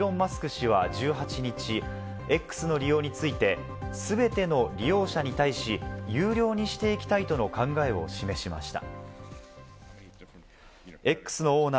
氏は１８日、「Ｘ」の利用について、全ての利用者に対し、有料にしていきたいとの考えを示しました。